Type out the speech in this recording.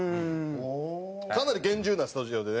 かなり厳重なスタジオでね